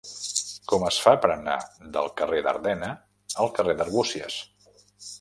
Com es fa per anar del carrer d'Ardena al carrer d'Arbúcies?